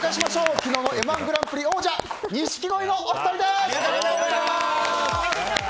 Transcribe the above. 昨日の「Ｍ‐１グランプリ」王者錦鯉のお二人です！